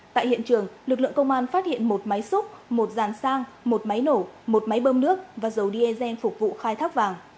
tại hiện trường lực lượng công an phát hiện một máy xúc một giàn sang một máy nổ một máy bơm nước và dầu diesel phục vụ khai thác vàng